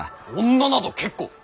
女など結構！